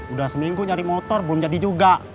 udah seminggu nyari motor belum jadi juga